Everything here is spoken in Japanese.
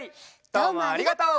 どうもありがとう！